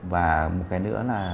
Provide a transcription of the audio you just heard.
và một cái nữa là